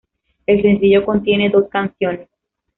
El sencillo contiene dos canciones.